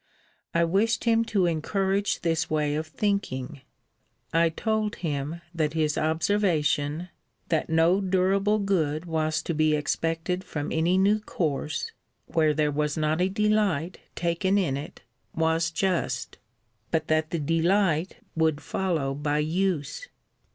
I wished him to encourage this way of thinking. I told him, that his observation, that no durable good was to be expected from any new course, where there was not a delight taken in it, was just; but that the delight would follow by use.